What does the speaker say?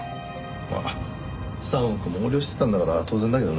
まあ３億も横領してたんだから当然だけどな。